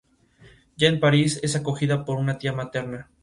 Ya en París, es acogida por una tía materna.